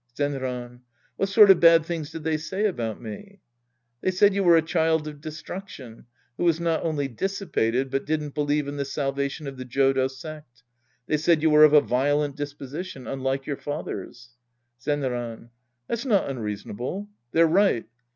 Zenran. What sort of bad things did they say about me ? Yuien. They said you were a child of destruction who was not only dissipated but didn't believe in the salvation of the Jodo sect. They said you were of a violent disposition, unlike your father's. Zenran. That's not unreasonable. They're right.